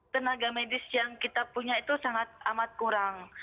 tenaga medis yang kita punya itu sangat amat kurang